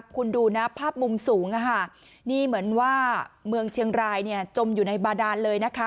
คุณดูนะภาพมุมสูงนี่เหมือนว่าเมืองเชียงรายจมอยู่ในบาดานเลยนะคะ